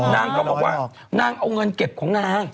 นางก็บอกว่านางเอาเงินเก็บของนาง